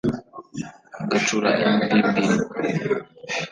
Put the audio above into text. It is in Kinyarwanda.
ngacura imbimbiri